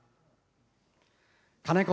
金子